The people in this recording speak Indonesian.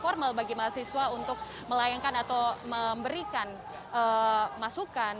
formal bagi mahasiswa untuk melayangkan atau memberikan masukan